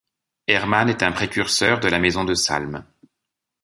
Hermann est un précurseur de la Maison de Salm.